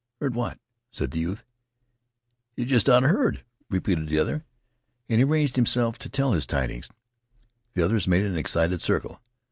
"Heard what?" said the youth. "Yeh jest oughta heard!" repeated the other, and he arranged himself to tell his tidings. The others made an excited circle.